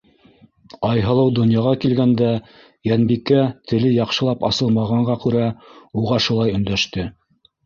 Айһылыу донъяға килгәндә Йәнбикә, теле яҡшылап асылмағанға күрә, уға шулай өндәште.